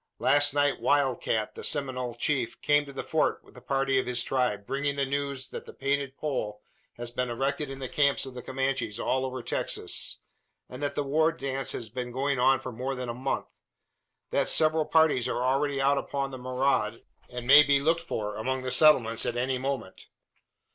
Last night Wild Cat, the Seminole chief, came to the Fort with a party of his tribe; bringing the news that the painted pole has been erected in the camps of the Comanches all over Texas, and that the war dance has been going on for more than a month. That several parties are already out upon the maraud, and may be looked for among the settlements at any moment."